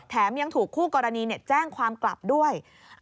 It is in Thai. ยังถูกคู่กรณีแจ้งความกลับด้วย